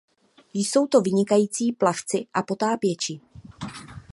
Jsou to vynikající plavci a potápěči.